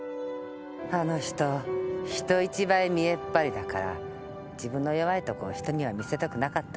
あの人人一倍見えっ張りだから自分の弱いとこを人には見せたくなかったのよ。